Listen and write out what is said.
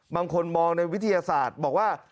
บางคนมองในวิทยาศาสตร์บอกว่า